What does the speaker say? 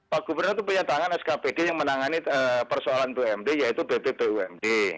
pak gubernur itu punya tangan skpd yang menangani persoalan bumd yaitu bp bumd